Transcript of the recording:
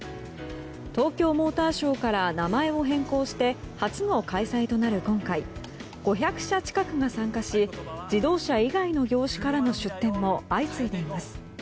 東京モーターショーから名前を変更して初の開催となる今回５００社近くが参加し自動車以外の業種からの出展も相次いでいます。